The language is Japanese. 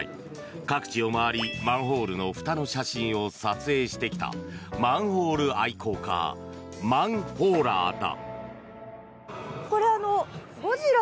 各地を回りマンホールのふたの写真を撮影してきたマンホール愛好家マンホーラーだ。